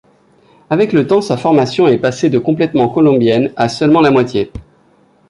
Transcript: Avec le temps sa formation est passée de complètement colombienne à seulement la moitié.